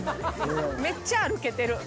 めっちゃ歩けてる。